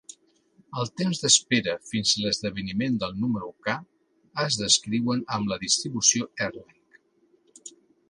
Els temps d'espera fins a l'esdeveniment del número k es descriuen amb la distribució Erlang.